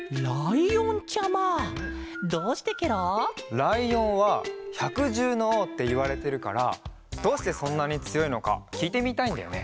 ライオンは「ひゃくじゅうのおう」っていわれてるからどうしてそんなにつよいのかきいてみたいんだよね。